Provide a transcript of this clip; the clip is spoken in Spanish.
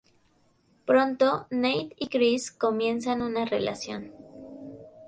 Pronto Nate y Chris comienzan una relación.